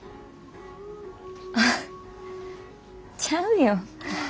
あっちゃうよ。